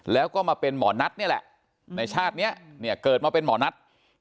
แล้วก็มาเป็นหมอนัทนี่แหละในชาตินี้เนี่ยเกิดมาเป็นหมอนัท